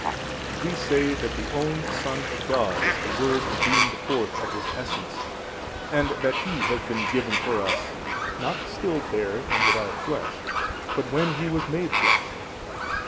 and we say that the own Son of God is the Word Who beamed forth of His Essence, and that He has been given for us, not still bare and without flesh but when He was made flesh.